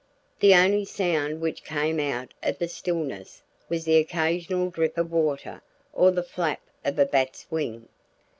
The only sound which came out of the stillness was the occasional drip of water or the flap of a bat's wing.